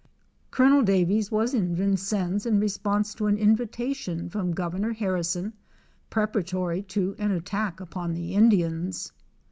Colonel Daviees was in Vincennes in response to an invitation from Governor Harrison preparatory to an attack upon the Indians.